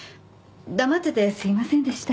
黙っててすいませんでした。